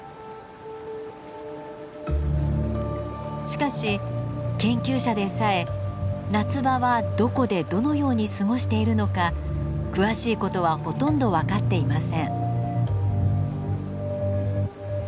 しかし研究者でさえ夏場はどこでどのように過ごしているのか詳しいことはほとんど分かっていません。